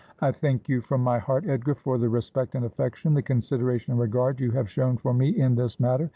I thank you from my heart, Edgar, for the respect and affection, the consideration and regard, you have shown for me in this matter.